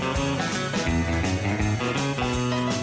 มูกรอบชาชู